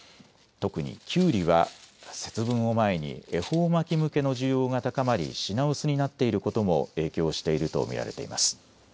特に、きゅうりは節分を前に恵方巻き向けの需要が高まり品薄になっていることも影響していると見られています。